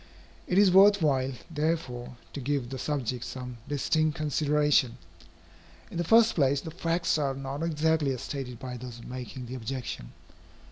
It is worth while, therefore, to give the subject some distinct consideration. In the first place, the facts are not exactly as stated by those making the objection.